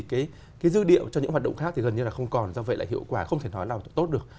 cái dư địa cho những hoạt động khác thì gần như là không còn do vậy lại hiệu quả không thể nói là tốt được